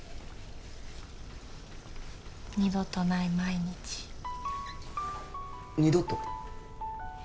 二度とない毎日二度と？